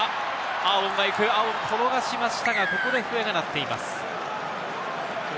アーウォン、転がしましたが、ここで笛が鳴っています。